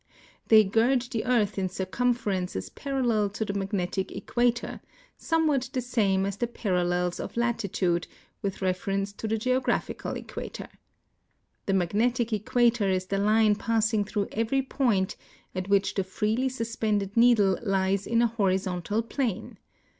They gird the earth in circumferences parallel to tlie magnetic equator, .somewhat the same as the parallels of latitude with reference to the geo graphical eciuator. The magnetic eciuator is the line passing through every i)oint at which the freely suspended needle lies in a horizontal plane.